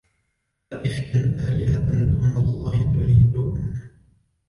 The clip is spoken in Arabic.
أئفكا آلهة دون الله تريدون